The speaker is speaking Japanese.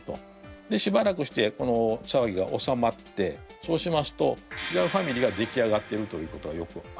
でしばらくしてこの騒ぎが収まってそうしますと違うファミリーが出来上がってるということはよくあります。